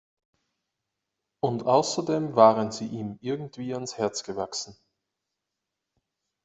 Und außerdem waren sie ihm irgendwie ans Herz gewachsen.